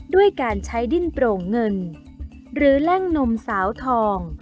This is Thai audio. ด้วยการใช้ดิ้นโปร่งเงินหรือแล่งนมสาวทอง